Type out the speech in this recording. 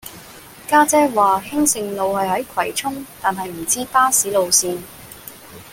家姐話興盛路係喺葵涌但係唔知巴士路線